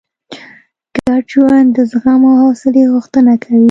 ګډ ژوند د زغم او حوصلې غوښتنه کوي.